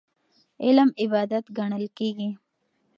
علم عبادت ګڼل کېږي.